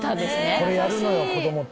これやるのよ子どもって。